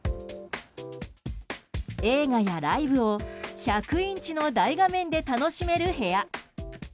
映画やライブを１００インチの大画面で楽しめる部屋。